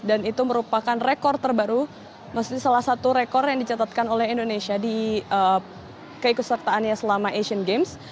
dan itu merupakan rekor terbaru maksudnya salah satu rekor yang dicatatkan oleh indonesia di keikusertaannya selama asian games